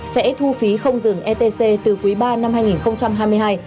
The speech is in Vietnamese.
sẽ thu phí không dừng etc từ quý ba năm hai nghìn hai mươi hai